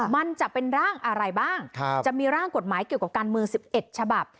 มันจะเป็นร่างอะไรบ้างจะมีร่างกฎหมายเกี่ยวกับการเมือง๑๑ฉบับ